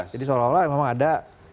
jadi seolah olah memang ada